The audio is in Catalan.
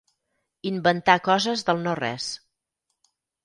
Inventar coses del no-res.